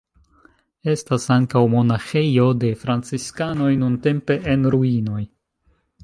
Estas ankaŭ monaĥejo de franciskanoj nuntempe en ruinoj.